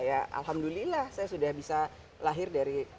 ya alhamdulillah saya sudah bisa lahir dari